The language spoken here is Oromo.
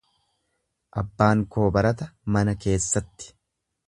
Abbaan koo barata mana keessatti.